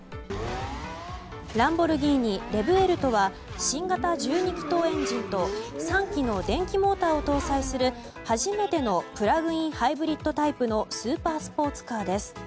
ランボルギーニレヴエルトは新型１２気筒エンジンと３基の電気モーターを搭載する初めてのプラグインハイブリッドタイプのスーパースポーツカーです。